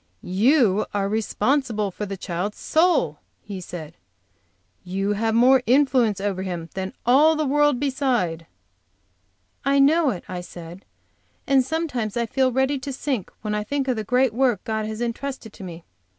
"You are responsible for that child's soul;" he said; "you have more influence over him than all the world beside." "I know it," I said, "and sometimes I feel ready to sink when I think of the great work God has intrusted to me.